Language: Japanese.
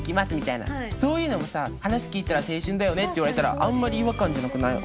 そういうのもさ話聞いたら青春だよねって言われたらあんまり違和感じゃなくない？